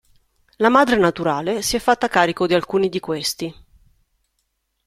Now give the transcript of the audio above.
La madre naturale si è fatta carico di alcuni di questi.